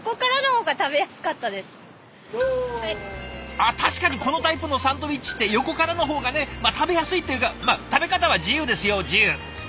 あっ確かにこのタイプのサンドイッチって横からの方がね食べやすいっていうか食べ方は自由ですよ自由。